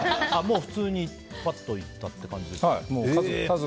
普通にパッと行った感じですか？